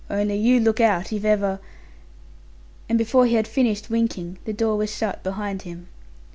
Only you look out, if ever' and before he had finished winking, the door was shut behind him.